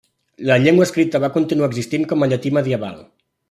La llengua escrita va continuar existint com a llatí medieval.